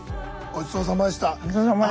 ごちそうさまでした。